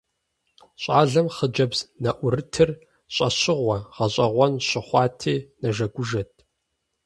Щӏалэм хъыджэбз нэӀурытыр щӀэщыгъуэ, гъэщӀэгъуэн щыхъуати, нэжэгужэт.